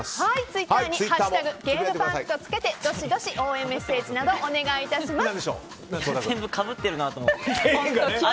ツイッターに「＃ゲームパーク」とつけてどしどし応援メッセージなどお願いします。